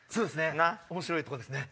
面白いとこですね。